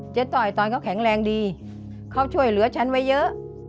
ต่อยตอนเขาแข็งแรงดีเขาช่วยเหลือฉันไว้เยอะ